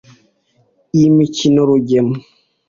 Iyi mikino Rugema